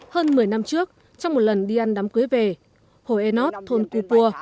hơn một mươi năm trước trong một lần đi ăn đám cuối về hồ enot thôn cô pua